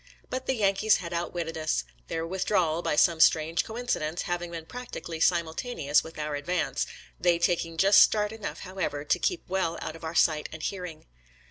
But the Yan kees had outwitted us, their withdrawal, by some strange coincidence, having been practically simultaneous with our advance — they taking just start enough, however, to keep well out of our sight and hearing.